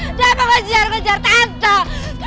kenapa ngejar ngejar tante